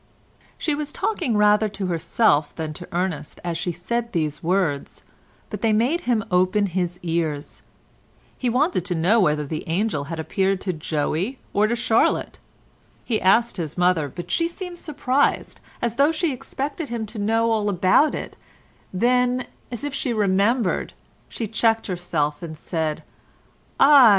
She was talking rather to herself than to Ernest as she said these words, but they made him open his ears. He wanted to know whether the angel had appeared to Joey or to Charlotte. He asked his mother, but she seemed surprised, as though she expected him to know all about it, then, as if she remembered, she checked herself and said, "Ah!